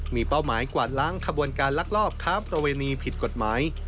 มีเป้าหมายกวาดล้างขบวนการลักลอบคราวบรรวมรวมพิธศกฎหมาย